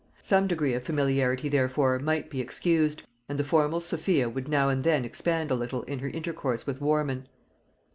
Some degree of familiarity therefore might be excused, and the formal Sophia would now and then expand a little in her intercourse with Warman.